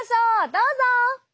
どうぞ！